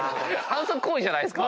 反則行為じゃないですか？